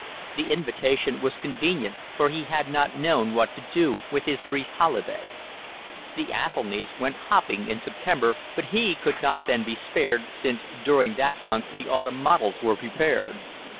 The invitation was convenient, for he had not known what to do, with his brief holiday. The Athelnys went hopping in September, but he could not then be spared, since during that month the autumn models were prepared.